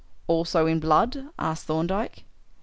"Also in blood?" asked Thorndyke.